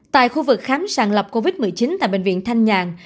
tại khu vực khám sàng lập covid một mươi chín tại bệnh viện thanh nhàng